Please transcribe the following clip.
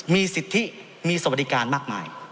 มีสิทธิมีสวัสดิการมากมาย